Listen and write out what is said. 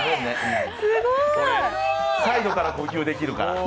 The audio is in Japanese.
サイドから呼吸できるから。